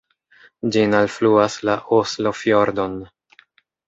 Ĝin alfluas la Oslo-fjordon.